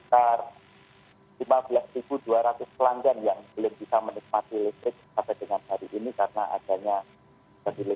dan ada sekitar lima belas dua ratus pelanggan yang belum bisa menikmati listrik sampai dengan hari ini karena adanya benci listrik